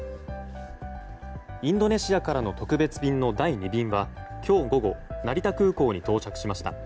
インドネシアからの特別便の第２便は今日午後成田空港に到着しました。